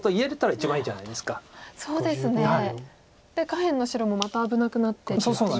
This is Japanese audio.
下辺の白もまた危なくなってっていう。